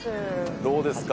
どうですか？